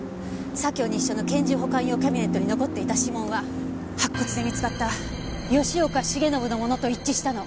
左京西署の拳銃保管用キャビネットに残っていた指紋は白骨で見つかった吉岡繁信のものと一致したの。